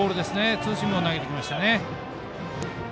ツーシームを投げてきましたね。